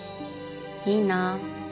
いいなあ。